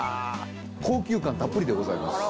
高級感たっぷりでございます。